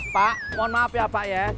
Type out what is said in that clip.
pak mohon maaf ya pak ya